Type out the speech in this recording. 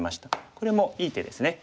これもいい手ですね。